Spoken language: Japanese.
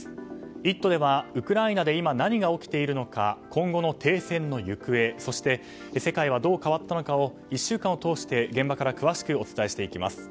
「イット！」ではウクライナで今何が起きているか今後の停戦の行方、そして世界はどう変わったのかを１週間を通して現場から詳しくお伝えしていきます。